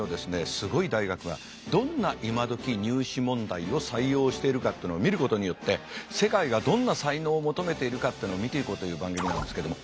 すごい大学がどんな今どき入試問題を採用しているかっていうのを見ることによって世界がどんな才能を求めているかっていうのを見ていこうという番組なんですけども。